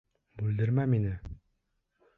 Бүлдермә мине!